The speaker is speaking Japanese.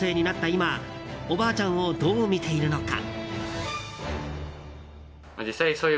今おばあちゃんをどう見ているのか。